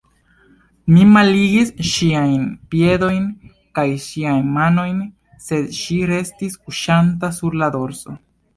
Mi malligis ŝiajn piedojn kaj ŝiajn manojn, sed ŝi restis kuŝanta sur la dorso.